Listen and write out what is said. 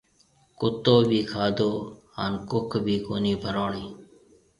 ڪُتو ڀِي کاڌو ھان ڪُک ڀِي ڪونِي ڀروڻِي